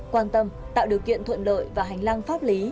quan tâm tạo điều kiện thuận lợi và hành lang pháp lý